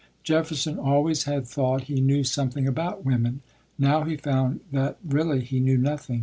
Jefferson always had thought he knew something about women. Now he found that really he knew nothing.